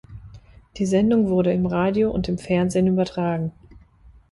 Die Sendung wurde im Radio und im Fernsehen übertragen.